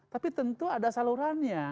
tapi tentu ada salurannya